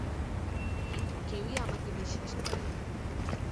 কিন্তু কেউই আমাকে বিশ্বাস করে নি।